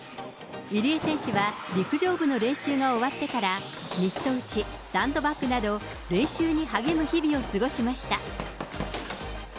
入江選手は、陸上部の練習が終わってから、ミット打ち、サンドバッグなど、練習に励む日々を過ごしました。